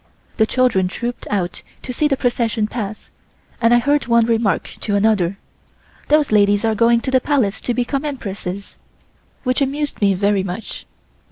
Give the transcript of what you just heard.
The children trouped out to see the procession pass, and I heard one remark to another: "Those ladies are going to the Palace to become Empresses," which amused me very much.